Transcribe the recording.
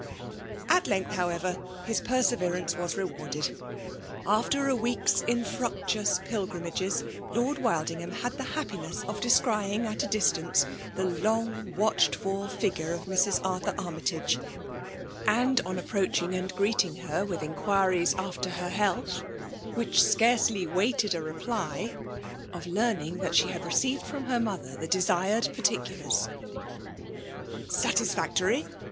At length, however, his perseveranoe was rewarded. After a week's infiructiaous pil grimages. Lord Wildingham had the happi ness of descrying at a distance the long watefaed*for figure of Mrs. Arthur Armytage, and, on approaching and greeting her with inquiriea after her health, which searcely waited a reply, of learning that she had re* * L 2 9^i¥ed from her mothar the; deainMl . pai^ \^* )SaiUfactQry